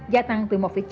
gia tăng từ một chín